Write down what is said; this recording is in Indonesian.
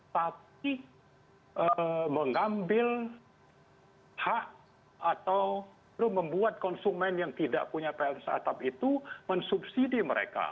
tapi mengambil hak atau membuat konsumen yang tidak punya plts atap itu mensubsidi mereka